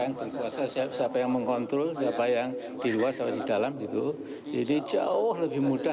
yang berkuasa siapa yang mengontrol siapa yang diawasa di dalam gitu jadi jauh lebih mudah